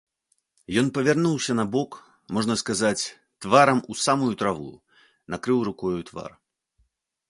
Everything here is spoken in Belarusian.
Ён павярнуўся на бок, можна сказаць, тварам у самую траву, накрыў рукою твар.